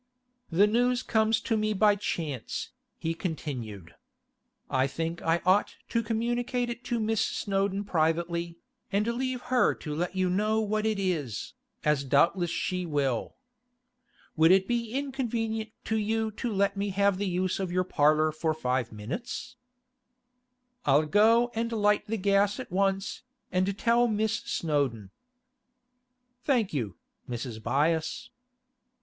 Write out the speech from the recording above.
'The news comes to me by chance,' he continued. 'I think I ought to communicate it to Miss Snowdon privately, and leave her to let you know what it is, as doubtless she will. Would it be inconvenient to you to let me have the use of your parlour for five minutes?' 'I'll go and light the gas at once, and tell Miss Snowdon.' 'Thank you, Mrs. Byass.